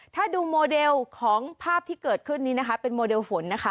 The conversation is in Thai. ถ้าดูโมเดลของภาพที่เกิดขึ้นนี้นะคะเป็นโมเดลฝนนะคะ